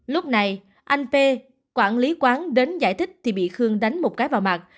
lúc này anh p quản lý quán đến giải thích thì bị khương đánh một cái vào mặt